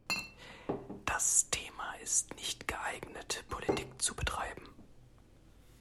Das Thema ist nicht geeignet, Politik zu betreiben.